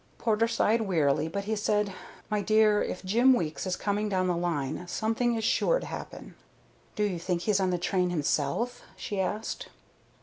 Porter sighed wearily; but he said, "My dear, if Jim Weeks is coming down the line, something is sure to happen." "Do you think he's on the train himself?" she asked.